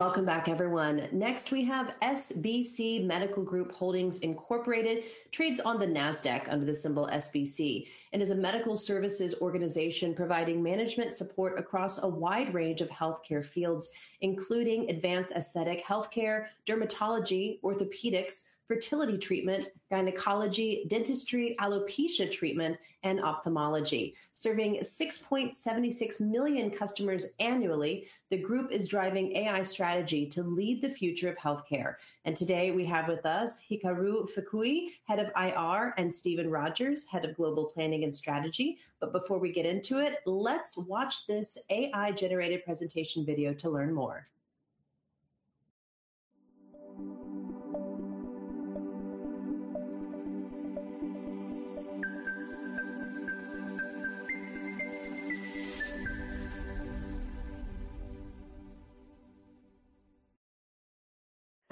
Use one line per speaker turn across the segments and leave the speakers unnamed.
Welcome back, everyone. Next, we have SBC Medical Group Holdings Incorporated, trades on the NASDAQ under the symbol SBC, and is a medical services organization providing management support across a wide range of healthcare fields, including advanced aesthetic healthcare, dermatology, orthopedics, fertility treatment, gynecology, dentistry, alopecia treatment, and ophthalmology. Serving 6.76 million customers annually, the group is driving AI strategy to lead the future of healthcare. Today we have with us Hikaru Fukui, Head of IR, and Stephen Rogers, Head of Global Planning and Strategy. Before we get into it, let's watch this AI-generated presentation video to learn more.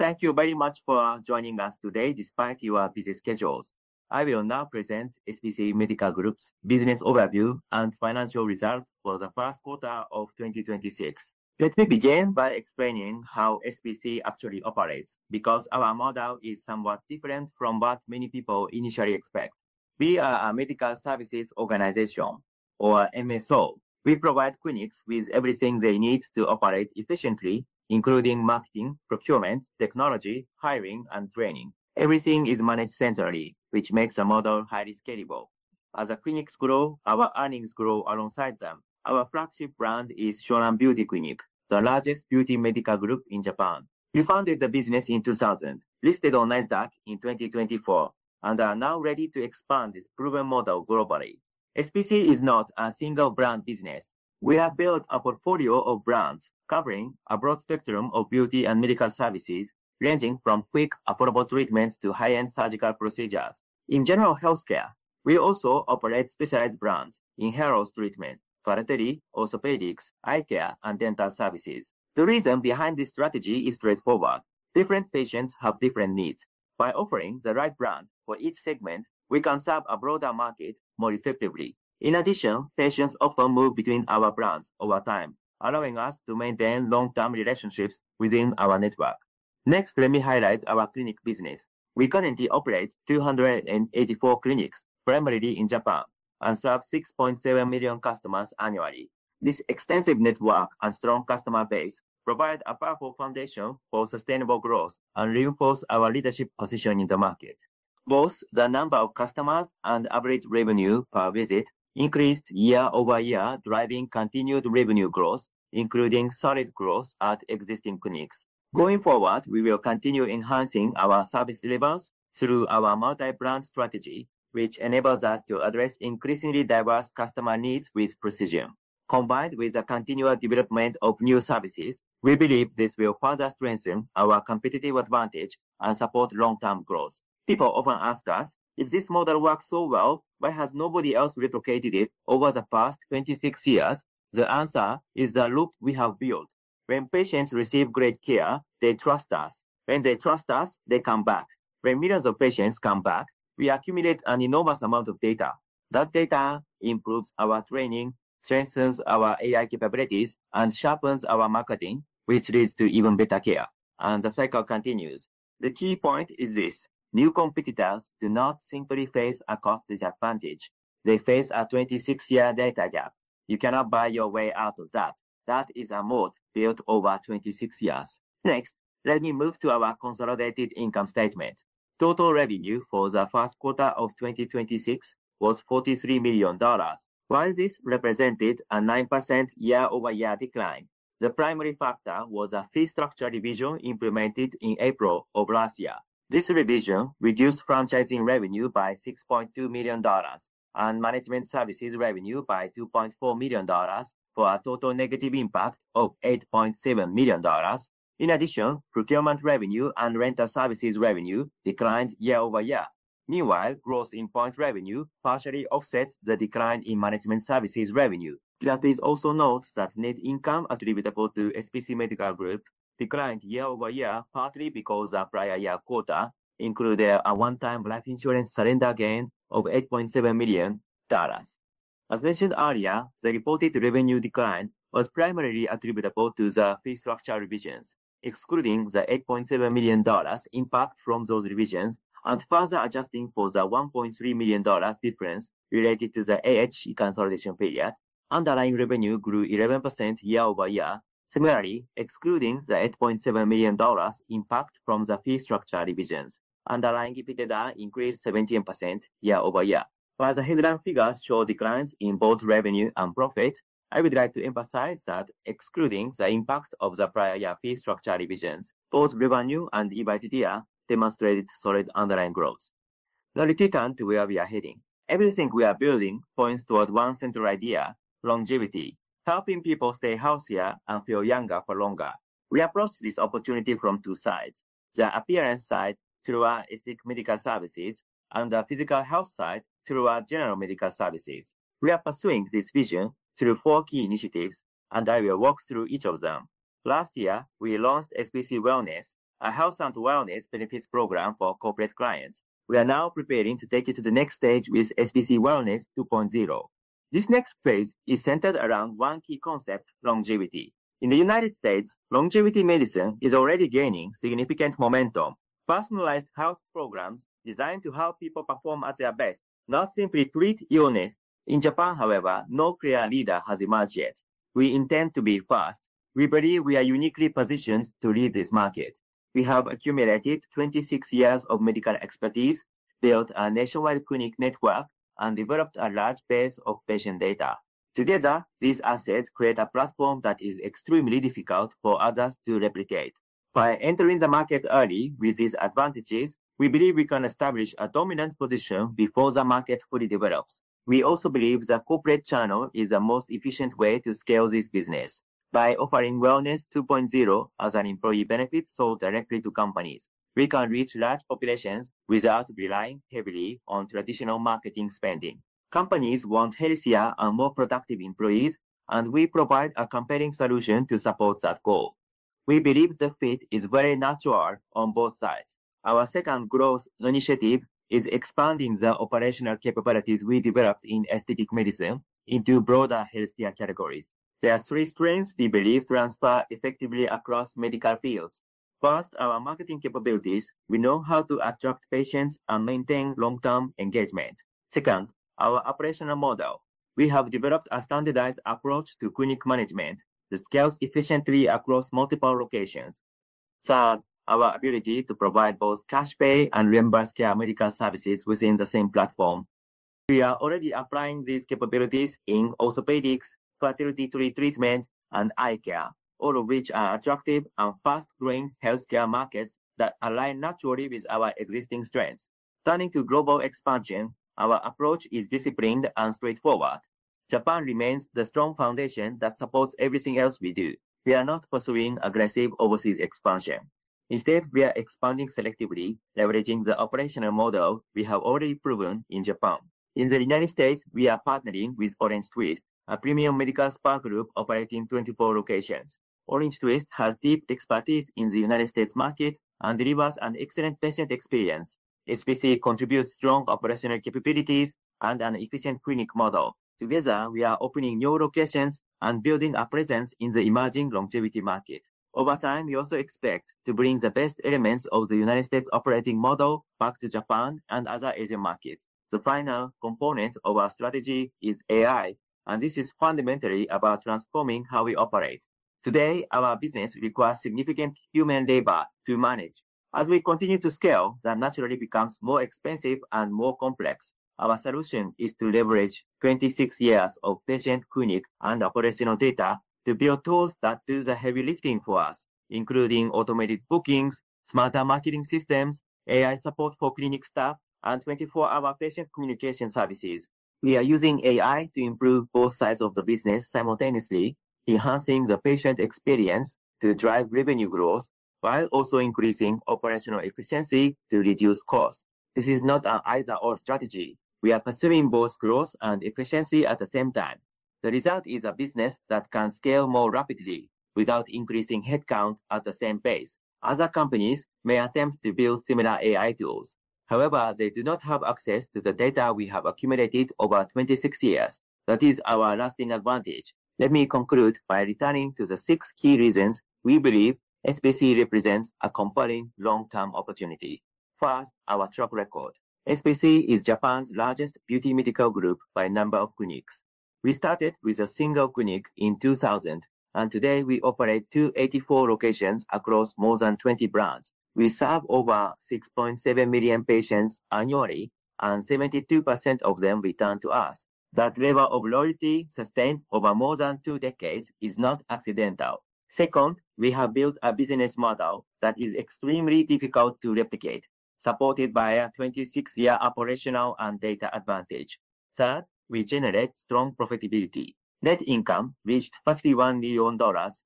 Thank you very much for joining us today despite your busy schedules. I will now present SBC Medical Group's business overview and financial results for the first quarter of 2026. Let me begin by explaining how SBC actually operates, because our model is somewhat different from what many people initially expect. We are a medical services organization or MSO. We provide clinics with everything they need to operate efficiently, including marketing, procurement, technology, hiring, and training. Everything is managed centrally, which makes the model highly scalable. As the clinics grow, our earnings grow alongside them. Our flagship brand is Shonan Beauty Clinic, the largest beauty medical group in Japan. We founded the business in 2000, listed on NASDAQ in 2024, and are now ready to expand this proven model globally. SBC is not a single-brand business. We have built a portfolio of brands covering a broad spectrum of beauty and medical services, ranging from quick, affordable treatments to high-end surgical procedures. In general healthcare, we also operate specialized brands in hair loss treatment, fertility, orthopedics, eye care, and dental services. The reason behind this strategy is straightforward. Different patients have different needs. By offering the right brand for each segment, we can serve a broader market more effectively. In addition, patients often move between our brands over time, allowing us to maintain long-term relationships within our network. Next, let me highlight our clinic business. We currently operate 284 clinics, primarily in Japan, and serve 6.7 million customers annually. This extensive network and strong customer base provide a powerful foundation for sustainable growth and reinforce our leadership position in the market. Both the number of customers and average revenue per visit increased year-over-year, driving continued revenue growth, including solid growth at existing clinics. Going forward, we will continue enhancing our service levels through our multi-brand strategy, which enables us to address increasingly diverse customer needs with precision. Combined with the continual development of new services, we believe this will further strengthen our competitive advantage and support long-term growth. People often ask us, "If this model works so well, why has nobody else replicated it over the past 26 years?" The answer is the loop we have built. When patients receive great care, they trust us. When they trust us, they come back. When millions of patients come back, we accumulate an enormous amount of data. That data improves our training, strengthens our AI capabilities, and sharpens our marketing, which leads to even better care, the cycle continues. The key point is this. New competitors do not simply face a cost disadvantage. They face a 26-year data gap. You cannot buy your way out of that. That is a moat built over 26 years. Next, let me move to our consolidated income statement. Total revenue for the first quarter of 2026 was $43 million. While this represented a 9% year-over-year decline, the primary factor was a fee structure revision implemented in April of last year. This revision reduced franchising revenue by $6.2 million and management services revenue by $2.4 million, for a total negative impact of $8.7 million. In addition, procurement revenue and rental services revenue declined year-over-year. Meanwhile, growth in point revenue partially offset the decline in management services revenue. Please also note that net income attributable to SBC Medical Group declined year-over-year, partly because the prior year quarter included a one-time life insurance surrender gain of $8.7 million. As mentioned earlier, the reported revenue decline was primarily attributable to the fee structure revisions. Excluding the $8.7 million impact from those revisions and further adjusting for the $1.3 million difference related to the AHH consolidation period, underlying revenue grew 11% year-over-year. Similarly, excluding the $8.7 million impact from the fee structure revisions, underlying EBITDA increased 17% year-over-year. While the headline figures show declines in both revenue and profit, I would like to emphasize that excluding the impact of the prior year fee structure revisions, both revenue and EBITDA demonstrated solid underlying growth. Now, let me turn to where we are heading. Everything we are building points toward one central idea, longevity, helping people stay healthier and feel younger for longer. We approach this opportunity from two sides, the appearance side through our aesthetic medical services and the physical health side through our general medical services. We are pursuing this vision through four key initiatives, and I will walk through each of them. Last year, we launched SBC Wellness, a health and wellness benefits program for corporate clients. We are now preparing to take it to the next stage with SBC Wellness 2.0. This next phase is centered around one key concept, longevity. In the United States, longevity medicine is already gaining significant momentum. Personalized health programs designed to help people perform at their best, not simply treat illness. In Japan, however, no clear leader has emerged yet. We intend to be first. We believe we are uniquely positioned to lead this market. We have accumulated 26 years of medical expertise, built a nationwide clinic network, and developed a large base of patient data. Together, these assets create a platform that is extremely difficult for others to replicate. By entering the market early with these advantages, we believe we can establish a dominant position before the market fully develops. We also believe the corporate channel is the most efficient way to scale this business. By offering Wellness 2.0 as an employee benefit sold directly to companies, we can reach large populations without relying heavily on traditional marketing spending. Companies want healthier and more productive employees, and we provide a compelling solution to support that goal. We believe the fit is very natural on both sides. Our second growth initiative is expanding the operational capabilities we developed in aesthetic medicine into broader healthcare categories. There are three strengths we believe transfer effectively across medical fields. First, our marketing capabilities. We know how to attract patients and maintain long-term engagement. Second, our operational model. We have developed a standardized approach to clinic management that scales efficiently across multiple locations. Third, our ability to provide both cash pay and reimbursed care medical services within the same platform. We are already applying these capabilities in orthopedics, fertility treatment, and eye care, all of which are attractive and fast-growing healthcare markets that align naturally with our existing strengths. Turning to global expansion, our approach is disciplined and straightforward. Japan remains the strong foundation that supports everything else we do. We are not pursuing aggressive overseas expansion. Instead, we are expanding selectively, leveraging the operational model we have already proven in Japan. In the United States, we are partnering with OrangeTwist, a premium medical spa group operating 24 locations. OrangeTwist has deep expertise in the United States market and delivers an excellent patient experience. SBC contributes strong operational capabilities and an efficient clinic model. Together, we are opening new locations and building a presence in the emerging longevity market. Over time, we also expect to bring the best elements of the United States operating model back to Japan and other Asian markets. The final component of our strategy is AI, and this is fundamentally about transforming how we operate. Today, our business requires significant human labor to manage. As we continue to scale, that naturally becomes more expensive and more complex. Our solution is to leverage 26 years of patient clinic and operational data to build tools that do the heavy lifting for us, including automated bookings, smarter marketing systems, AI support for clinic staff, and 24-hour patient communication services. We are using AI to improve both sides of the business simultaneously, enhancing the patient experience to drive revenue growth while also increasing operational efficiency to reduce costs. This is not an either/or strategy. We are pursuing both growth and efficiency at the same time. The result is a business that can scale more rapidly without increasing headcount at the same pace. Other companies may attempt to build similar AI tools. However, they do not have access to the data we have accumulated over 26 years. That is our lasting advantage. Let me conclude by returning to the six key reasons we believe SBC represents a compelling long-term opportunity. First, our track record. SBC is Japan's largest beauty medical group by number of clinics. We started with a single clinic in 2000, and today we operate 284 locations across more than 20 brands. We serve over 6.7 million patients annually, and 72% of them return to us. That level of loyalty sustained over more than two decades is not accidental. Second, we have built a business model that is extremely difficult to replicate, supported by a 26-year operational and data advantage. Third, we generate strong profitability. Net income reached JPY 51 million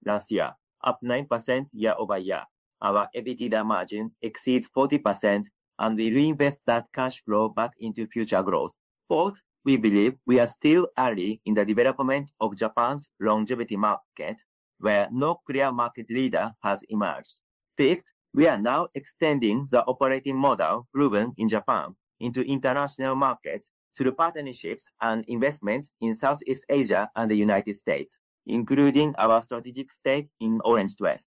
last year, up 9% year-over-year. Our EBITDA margin exceeds 40%, and we reinvest that cash flow back into future growth. Fourth, we believe we are still early in the development of Japan's longevity market, where no clear market leader has emerged. Fifth, we are now extending the operating model proven in Japan into international markets through partnerships and investments in Southeast Asia and the United States, including our strategic stake in OrangeTwist.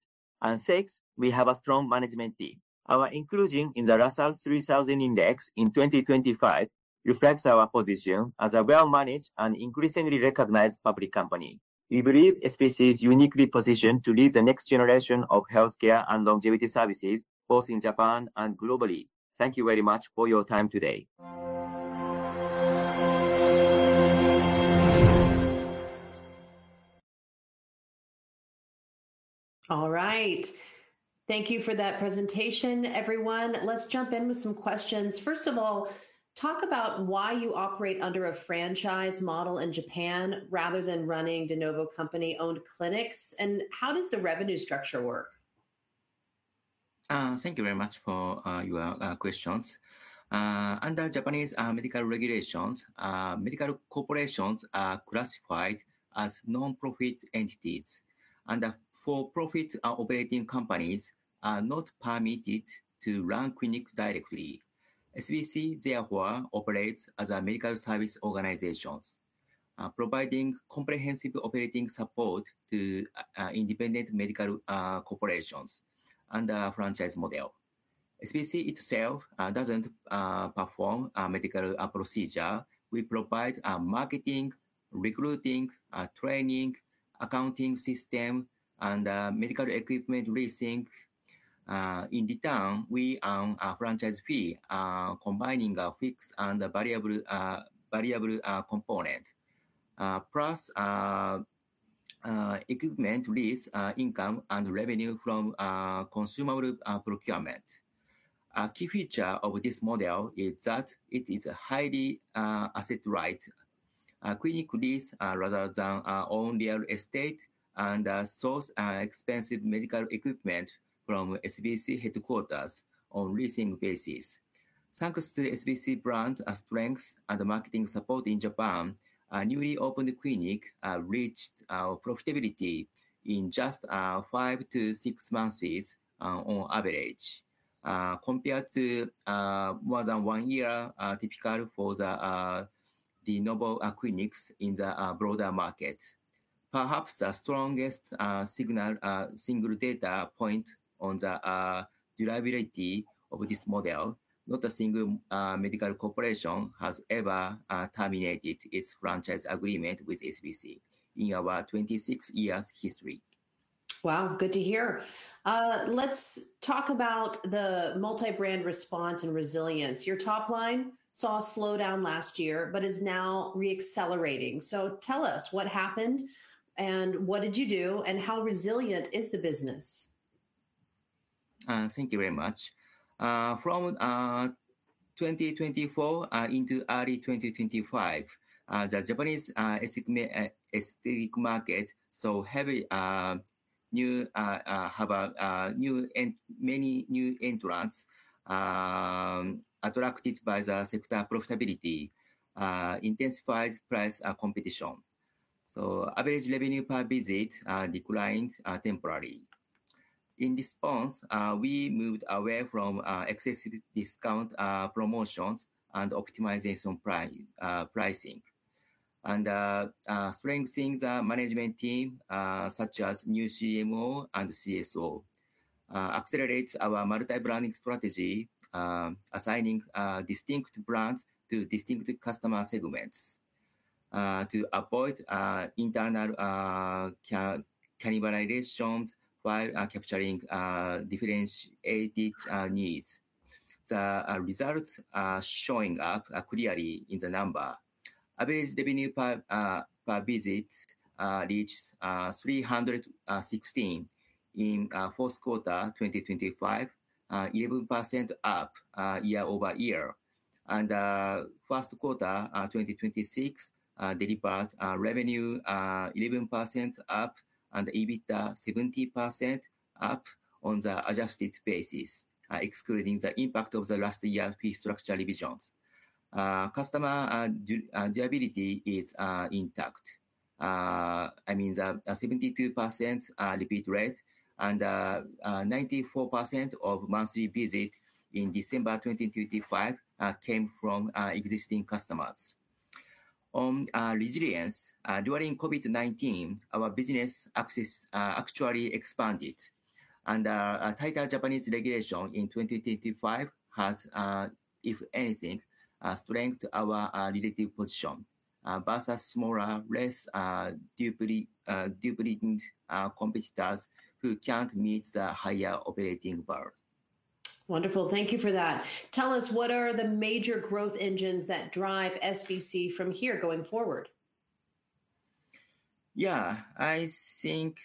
Sixth, we have a strong management team. Our inclusion in the Russell 3000 Index in 2025 reflects our position as a well-managed and increasingly recognized public company. We believe SBC is uniquely positioned to lead the next generation of healthcare and longevity services, both in Japan and globally. Thank you very much for your time today.
All right. Thank you for that presentation, everyone. Let's jump in with some questions. First of all, talk about why you operate under a franchise model in Japan rather than running de novo company-owned clinics, and how does the revenue structure work?
Thank you very much for your questions. Under Japanese medical regulations, medical corporations are classified as non-profit entities, and for-profit operating companies are not permitted to run clinics directly. SBC, therefore, operates as a medical service organization, providing comprehensive operating support to independent medical corporations under a franchise model. SBC itself doesn't perform a medical procedure. We provide marketing, recruiting, training, accounting system, and medical equipment leasing. In return, we earn a franchise fee combining a fixed and a variable component, plus equipment lease income and revenue from consumable procurement. A key feature of this model is that it is highly asset-light. Clinic lease rather than our own real estate, and source expensive medical equipment from SBC headquarters on leasing basis. Thanks to SBC brand strength and marketing support in Japan, a newly opened clinic reached profitability in just five to six months on average, compared to more than one year typical for the normal clinics in the broader market. Perhaps the strongest single data point on the durability of this model, not a single medical corporation has ever terminated its franchise agreement with SBC in our 26 years history.
Wow, good to hear. Let's talk about the multi-brand response and resilience. Your top line saw a slowdown last year, but is now re-accelerating. Tell us what happened, what did you do, and how resilient is the business?
Thank you very much. From 2024 into early 2025, the Japanese aesthetic market saw many new entrants attracted by the sector profitability, intensified price competition. Average revenue per visit declined temporarily. In response, we moved away from excessive discount promotions and optimization pricing. Strengthening the management team, such as new CMO and CSO, accelerates our multi-branding strategy, assigning distinct brands to distinct customer segments, to avoid internal cannibalization while capturing differentiated needs. The results are showing up clearly in the numbers. Average revenue per visit reached 316 in fourth quarter 2025, 11% up year-over-year. First quarter 2026 delivered revenue 11% up and EBITDA 17% up on the adjusted basis, excluding the impact of the last year fee structure revisions. Customer durability is intact. I mean, the 72% repeat rate and 94% of monthly visit in December 2025 came from existing customers. On resilience, during COVID-19, our business actually expanded. Tighter Japanese regulation in 2025 has, if anything, strengthened our relative position versus smaller, less deeply rooted competitors who can't meet the higher operating bar.
Wonderful. Thank you for that. Tell us what are the major growth engines that drive SBC from here going forward?
Yeah. I think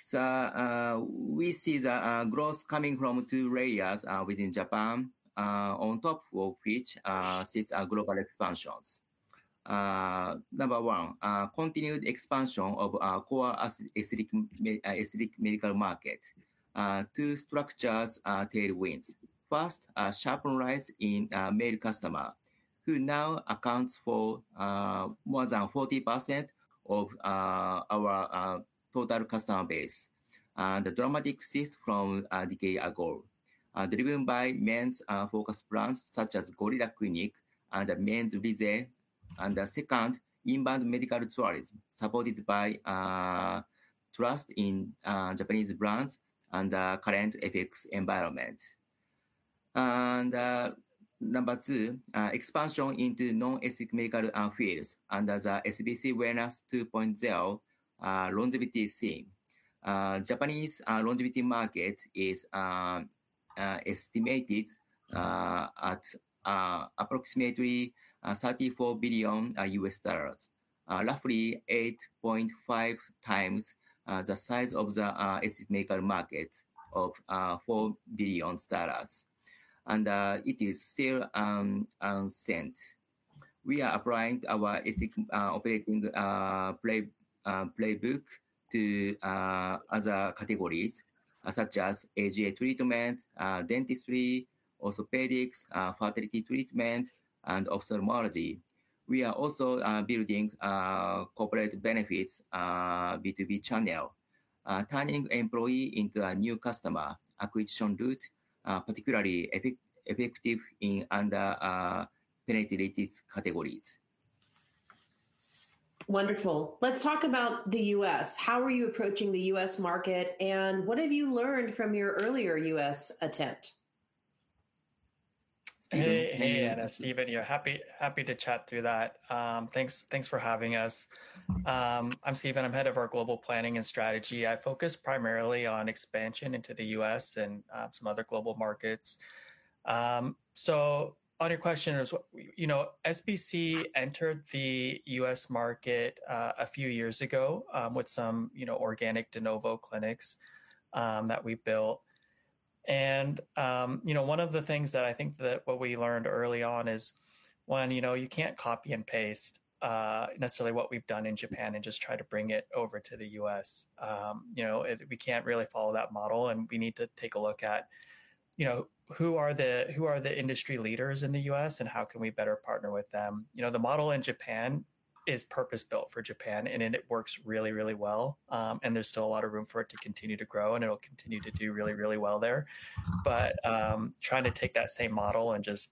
we see the growth coming from two areas within Japan, on top of which sits our global expansions. Number one, continued expansion of our core aesthetic medical market. Two structures are tailwinds. First, a sharp rise in male customer, who now accounts for more than 40% of our total customer base. The dramatic shift from a decade ago, driven by men's focused brands such as Gorilla Clinic and Men's Rize. Second, inbound medical tourism, supported by trust in Japanese brands and the current FX environment. Number two, expansion into non-aesthetic medical fields under the SBC Wellness 2.0 longevity theme. Japanese longevity market is estimated at approximately $34 billion, roughly 8.5 times the size of the aesthetic medical market of $4 billion. It is still unserved. We are applying our aesthetic operating playbook to other categories such as AGA treatment, dentistry, orthopedics, fertility treatment, and ophthalmology. We are also building corporate benefits, B2B channel, turning employee into a new customer acquisition route, particularly effective in under-penetrated categories.
Wonderful. Let's talk about the U.S. How are you approaching the U.S. market, and what have you learned from your earlier U.S. attempt?
Hey, Anna. Stephen here. Happy to chat through that. Thanks for having us. I'm Stephen. I'm Head of our Global Planning and Strategy. I focus primarily on expansion into the U.S. and some other global markets. On your question, SBC entered the U.S. market a few years ago with some organic de novo clinics that we built. One of the things we learned early on is, one, you can't copy and paste necessarily what we've done in Japan and just try to bring it over to the U.S. We can't really follow that model. We need to take a look at who are the industry leaders in the U.S., and how can we better partner with them. The model in Japan is purpose-built for Japan. It works really well. There's still a lot of room for it to continue to grow. It'll continue to do really well there. Trying to take that same model and just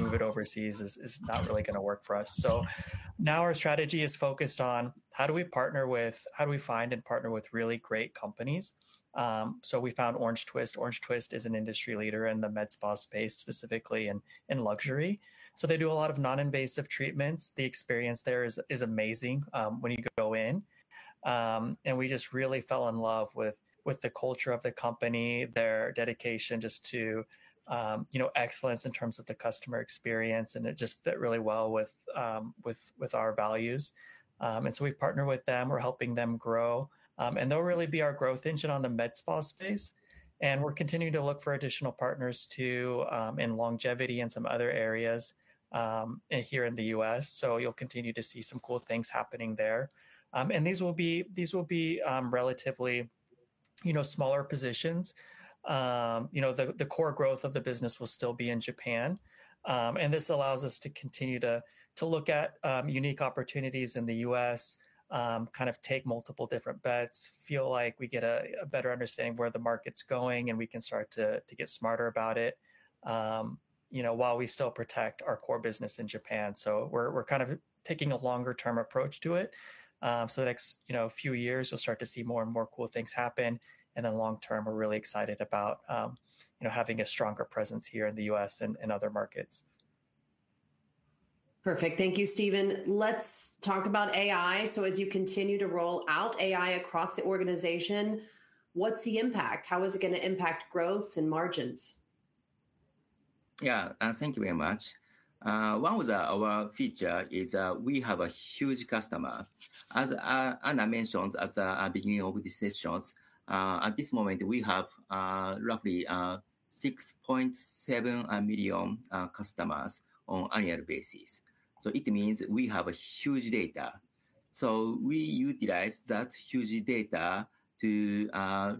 move it overseas is not really going to work for us. Now our strategy is focused on how do we find and partner with really great companies? We found OrangeTwist. OrangeTwist is an industry leader in the MedSpa space, specifically in luxury. They do a lot of non-invasive treatments. The experience there is amazing when you go in. We just really fell in love with the culture of the company, their dedication just to excellence in terms of the customer experience. It just fit really well with our values. We've partnered with them. We're helping them grow. They'll really be our growth engine on the MedSpa space. We're continuing to look for additional partners too, in longevity and some other areas here in the U.S. You'll continue to see some cool things happening there. These will be relatively smaller positions. The core growth of the business will still be in Japan. This allows us to continue to look at unique opportunities in the U.S., take multiple different bets, feel like we get a better understanding of where the market's going. We can start to get smarter about it, while we still protect our core business in Japan. We're taking a longer-term approach to it. The next few years, you'll start to see more and more cool things happen. Long term, we're really excited about having a stronger presence here in the U.S. and other markets.
Perfect. Thank you, Stephen. Let's talk about AI. As you continue to roll out AI across the organization, what's the impact? How is it going to impact growth and margins?
Yeah. Thank you very much. One of our feature is we have a huge customer. As Anna mentioned at the beginning of the sessions, at this moment, we have roughly 6.7 million customers on annual basis. It means we have a huge data. We utilize that huge data to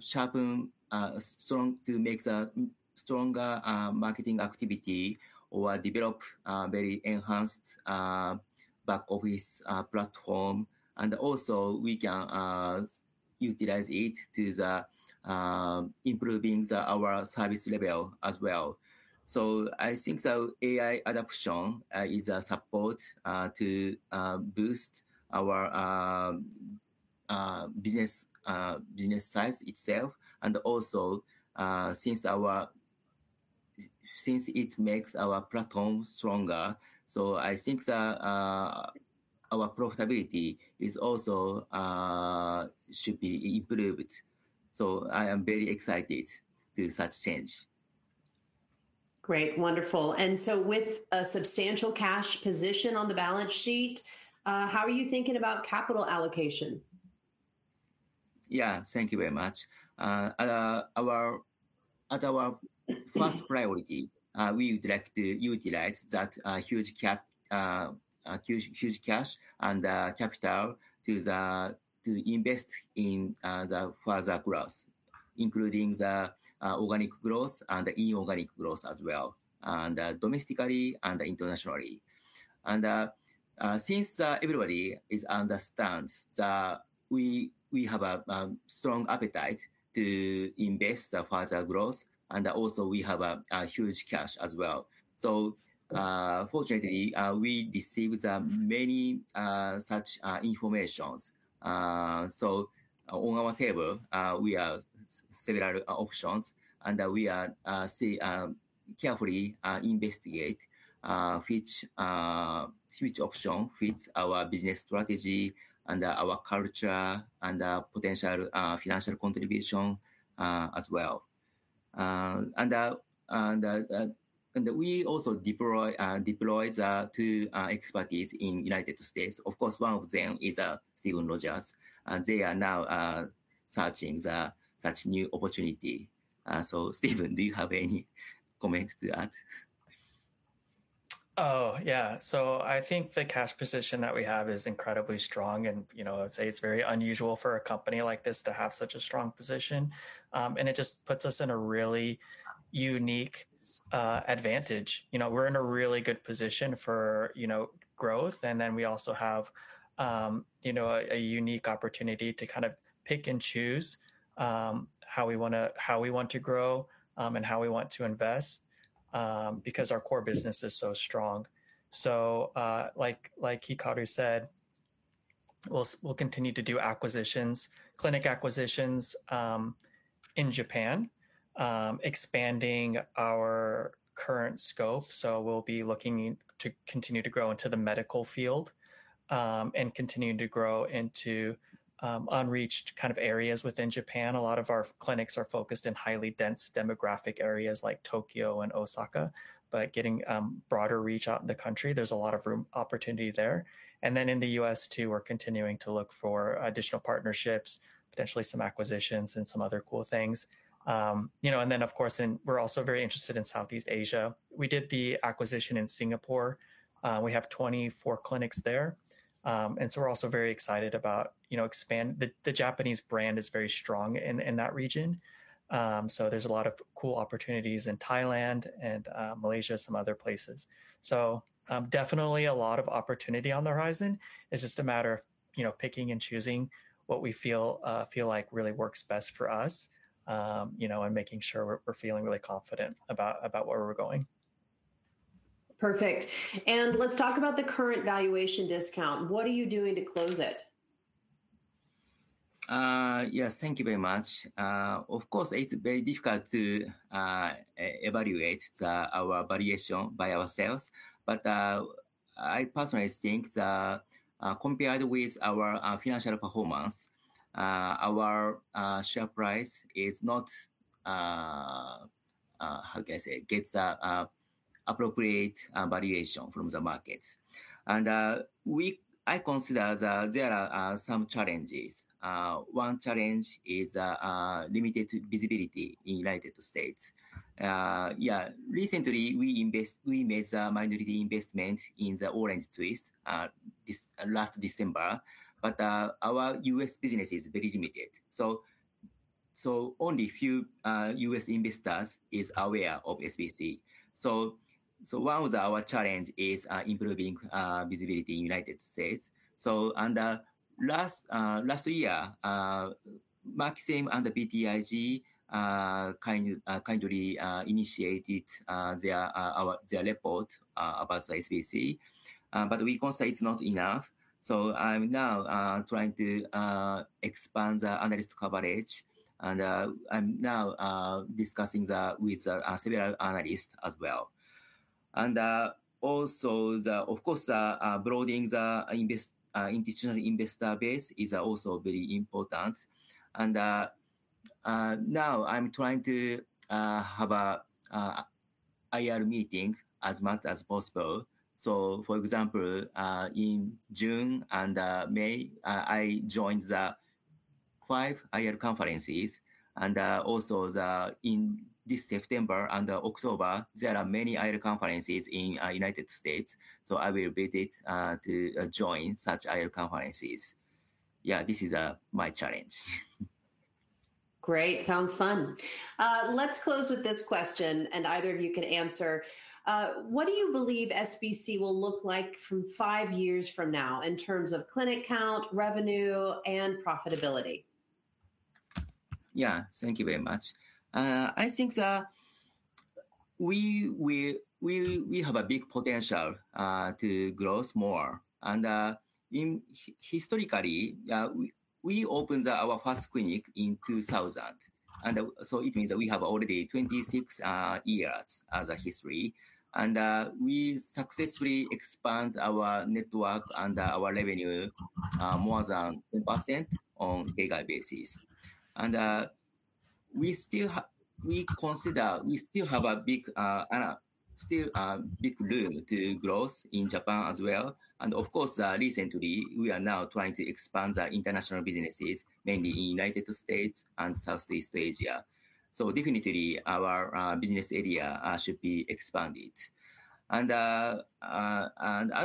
make the stronger marketing activity or develop very enhanced back office platform. We can utilize it to the improving our service level as well. I think the AI adoption is a support to boost our business size itself and also since it makes our platform stronger. I think our profitability also should be improved. I am very excited to such change.
Great. Wonderful. With a substantial cash position on the balance sheet, how are you thinking about capital allocation?
Yeah. Thank you very much. At our first priority, we would like to utilize that huge cash and capital to invest in the further growth, including the organic growth and the inorganic growth as well, and domestically and internationally. Since everybody understands that we have a strong appetite to invest further growth, and also we have a huge cash as well. Fortunately, we received many such informations. On our table, we have several options, and we are carefully investigate which option fits our business strategy and our culture and potential financial contribution as well. We also deployed two expertise in United States. Of course, one of them is Stephen Rogers, and they are now searching such new opportunity. Stephen, do you have any comment to that?
Oh, yeah. I think the cash position that we have is incredibly strong and I'd say it's very unusual for a company like this to have such a strong position. It just puts us in a really unique advantage. We're in a really good position for growth, and then we also have a unique opportunity to pick and choose how we want to grow, and how we want to invest, because our core business is so strong. Like Hikaru said, we'll continue to do acquisitions, clinic acquisitions, in Japan, expanding our current scope. We'll be looking to continue to grow into the medical field, and continuing to grow into unreached areas within Japan. A lot of our clinics are focused in highly dense demographic areas like Tokyo and Osaka. Getting broader reach out in the country, there's a lot of room opportunity there. In the U.S. too, we're continuing to look for additional partnerships, potentially some acquisitions and some other cool things. Of course, we're also very interested in Southeast Asia. We did the acquisition in Singapore. We have 24 clinics there. We're also very excited about expand. The Japanese brand is very strong in that region. There's a lot of cool opportunities in Thailand and Malaysia, some other places. Definitely a lot of opportunity on the horizon. It's just a matter of picking and choosing what we feel like really works best for us, and making sure we're feeling really confident about where we're going.
Perfect. Let's talk about the current valuation discount. What are you doing to close it?
Yes, thank you very much. Of course, it's very difficult to evaluate our valuation by ourselves. I personally think that compared with our financial performance, our share price is not, how can I say, gets appropriate valuation from the market. I consider that there are some challenges. One challenge is limited visibility in U.S. Recently we made a minority investment in the OrangeTwist last December. Our U.S. business is very limited, so only few U.S. investors is aware of SBC. One of our challenge is improving visibility in U.S. Last year, Maxim Group LLC and BTIG kindly initiated their report about SBC. We consider it's not enough, so I'm now trying to expand the analyst coverage, and I'm now discussing that with several analysts as well. Of course, broadening the institutional investor base is also very important. Now I'm trying to have a IR meeting as much as possible. For example, in June and May, I joined the five IR conferences. Also in this September and October, there are many IR conferences in U.S., I will visit to join such IR conferences. Yeah, this is my challenge.
Great, sounds fun. Let's close with this question, and either of you can answer. What do you believe SBC will look like five years from now in terms of clinic count, revenue, and profitability?
Yeah. Thank you very much. I think that we have a big potential to grow more. Historically, we opened our first clinic in 2000. It means that we have already 26 years as a history. We successfully expand our network and our revenue more than 10% on CAGR basis. We consider we still have a big room to growth in Japan as well. Of course, recently we are now trying to expand our international businesses, mainly in U.S. and Southeast Asia. Definitely our business area should be expanded. As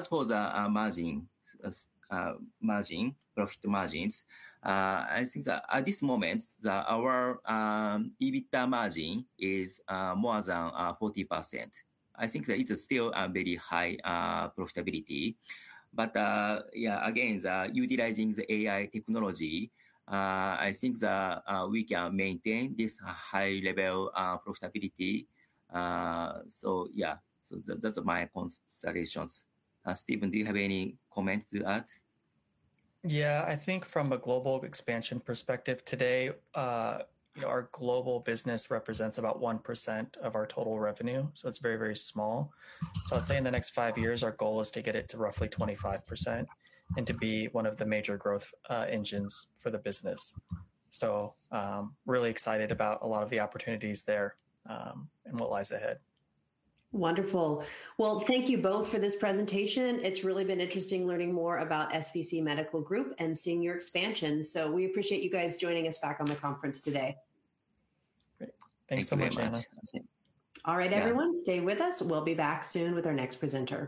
for the margin, profit margins, I think that at this moment, our EBITDA margin is more than 40%. I think that it's still a very high profitability. yeah, again, utilizing the AI technology, I think that we can maintain this high level of profitability. yeah. That's my considerations. Stephen, do you have any comments to add?
Yeah. I think from a global expansion perspective, today our global business represents about 1% of our total revenue, it's very small. I'd say in the next five years, our goal is to get it to roughly 25%, and to be one of the major growth engines for the business. Really excited about a lot of the opportunities there, and what lies ahead.
Wonderful. Well, thank you both for this presentation. It is really been interesting learning more about SBC Medical Group and seeing your expansion. We appreciate you guys joining us back on the conference today.
Great. Thanks so much, Anna.
Thank you very much.
All right, everyone, stay with us. We will be back soon with our next presenter.